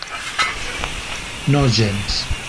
No gens.